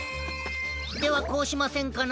ではこうしませんかな？